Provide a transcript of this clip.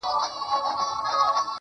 د خپل جېبه د سگريټو يوه نوې قطۍ وا کړه.